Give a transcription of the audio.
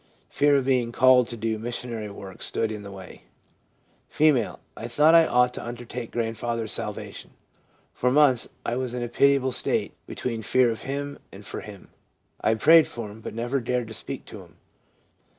Fear of being called to do missionary work stood in the way/ F. ' I thought I ought to undertake grandfather's salvation. For months I was in a pitiable state between fear of him and for him. I prayed for him, but never dared to speak to him.'